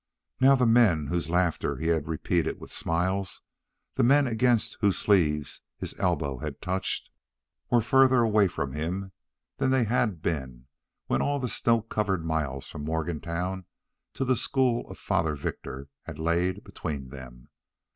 Now the men whose laughter he had repeated with smiles, the men against whose sleeves his elbow had touched, were further away from him than they had been when all the snow covered miles from Morgantown to the school of Father Victor had laid between them.